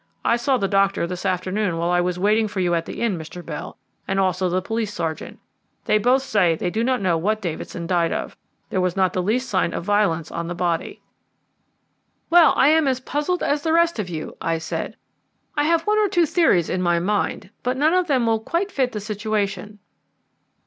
I saw the doctor this afternoon while I was waiting for you at the inn, Mr. Bell, and also the police sergeant. They both say they do not know what Davidson died of. There was not the least sign of violence on the body." "Well, I am as puzzled as the rest of you," I said. "I have one or two theories in my mind, but none of them will quite fit the situation."